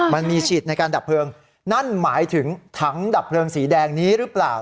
มันมีฉีดในการดับเพลิงนั่นหมายถึงถังดับเพลิงสีแดงนี้หรือเปล่า